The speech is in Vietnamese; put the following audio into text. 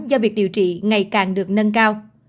do việc điều trị ngày càng được nâng cao